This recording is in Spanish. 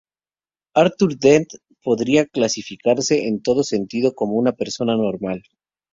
Arthur Dent podría calificarse en todo sentido como una persona normal.